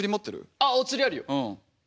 ああお釣りあるよ。